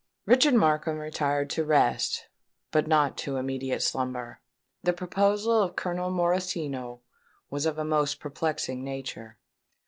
Richard Markham retired to rest, but not to immediate slumber. The proposal of Colonel Morosino was of a most perplexing nature.